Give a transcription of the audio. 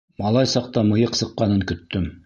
Малай саҡта мыйыҡ сыҡҡанын көттөм.